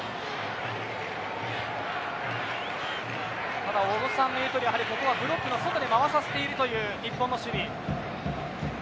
ただ、ここは小野さんの言うとおりブロックの外で回させているという日本の守備。